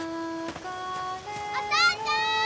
お父ちゃん！